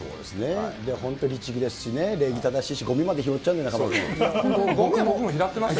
本当、律儀ですし、礼儀正しいし、ごみまで拾っちゃうんですよ